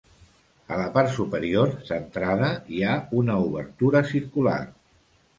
A la part superior, centrada, hi ha una obertura circular.